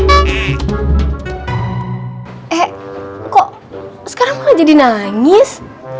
eh kok sekarang malah jadi nangis